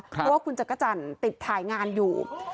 เพราะว่าคุณจักรจันทร์ติดถ่ายงานอยู่